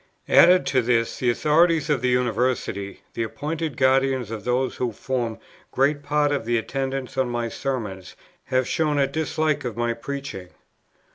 "Added to this the authorities of the University, the appointed guardians of those who form great part of the attendants on my Sermons, have shown a dislike of my preaching.